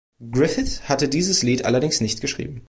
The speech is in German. Griffith hatte dieses Lied allerdings nicht geschrieben.